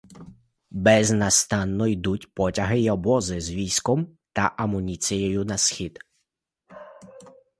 Безнастанно йдуть потяги й обози з військом та амуніцією на схід.